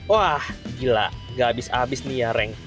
wah gila gak habis habis nih ya reng